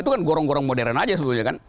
itu kan gorong gorong modern aja sebetulnya kan